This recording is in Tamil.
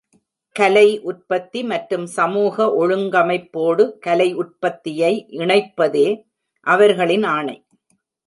கலை உற்பத்தி மற்றும் சமூக ஒழுங்கமைப்போடு கலை உற்பத்தியை இணைப்பதே அவர்களின் ஆணை.